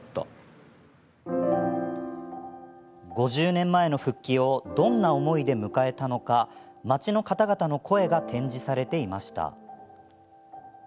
５０年前の復帰をどんな思いで迎えたのか町の方々の声が展示されていました。